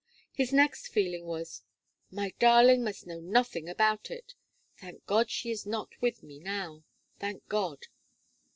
His next feeling was, "My darling must know nothing about it Thank God, she is not with me now! Thank God!"